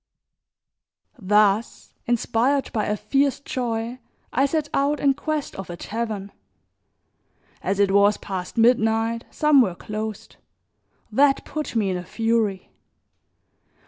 Thus, inspired by a fierce joy, I set out in quest of a tavern. As it was past midnight some were closed; that put me in a fury.